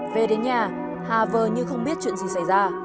về đến nhà hà vờ như không biết chuyện gì xảy ra